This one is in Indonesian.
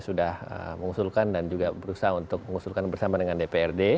sudah mengusulkan dan juga berusaha untuk mengusulkan bersama dengan dprd